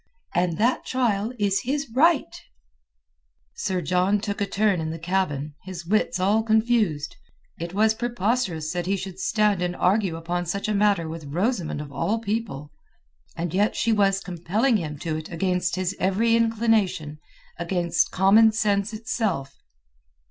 "And that trial is his right." Sir John took a turn in the cabin, his wits all confused. It was preposterous that he should stand and argue upon such a matter with Rosamund of all people, and yet she was compelling him to it against his every inclination, against common sense itself.